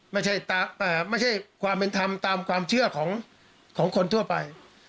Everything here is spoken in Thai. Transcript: ไม่ใช่ความเป็นธรรมตามความเชื่อของคนทั่วไป